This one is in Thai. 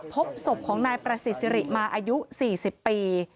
พบศพของนายประสิทธิริมาอายุ๔๐ปี